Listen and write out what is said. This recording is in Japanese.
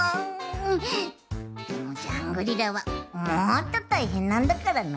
でもジャングリラはもっとたいへんなんだからな。